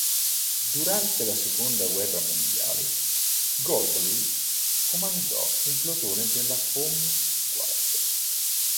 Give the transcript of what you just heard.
Durante la seconda guerra mondiale, Godley comandò un plotone della Home Guard.